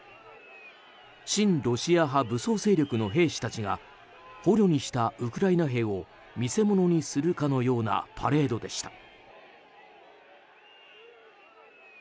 親ロシア派武装勢力の兵士たちが捕虜にしたウクライナ兵を見世物にするかのようなパレードでした。